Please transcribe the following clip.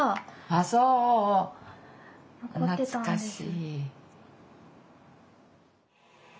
ああそう懐かしい。